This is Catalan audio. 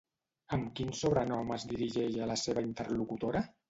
Amb quin sobrenom es dirigeix a la seva interlocutora?